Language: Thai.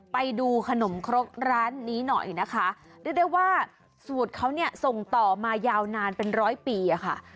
ไปดูขนมครกร้านนี้หน่อยนะคะเรียกได้ว่าสูตรเขาเนี่ยส่งต่อมายาวนานเป็นร้อยปีอะค่ะ